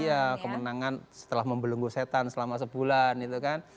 iya kemenangan setelah membelunggu setan selama sebulan